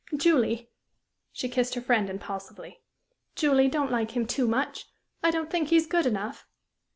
Julie" she kissed her friend impulsively "Julie, don't like him too much. I don't think he's good enough."